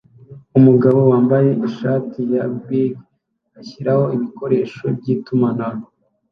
Umugabo wambaye ishati ya beige ashyiraho ibikoresho byitumanaho